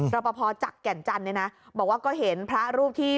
รบปภจักรแข่นจรรย์บอกว่าเขาเห็นพระรูปที่